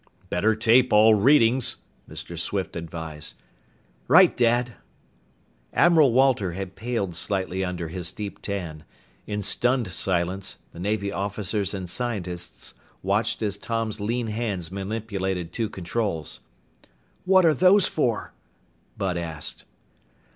"Better tape all readings!" Mr. Swift advised. "Right, Dad!" Admiral Walter had paled slightly under his deep tan. In stunned silence, the Navy officers and scientists watched as Tom's lean hands manipulated two controls. "What are those for?" Bud asked.